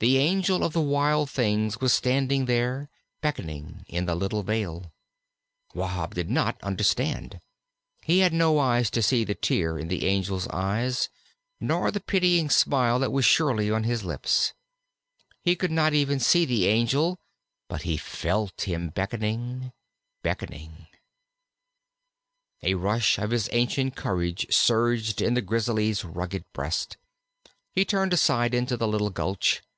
The Angel of the Wild Things was standing there, beckoning, in the little vale. Wahb did not understand. He had no eyes to see the tear in the Angel's eyes, nor the pitying smile that was surely on his lips. He could not even see the Angel. But he felt him beckoning, beckoning. [Illustration: "HE PAUSED A MOMENT AT THE GATE."] A rush of his ancient courage surged in the Grizzly's rugged breast. He turned aside into the little gulch.